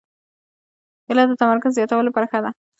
کېله د تمرکز زیاتولو لپاره ښه ده.